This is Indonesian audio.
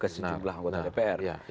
kesitu lah anggota dpr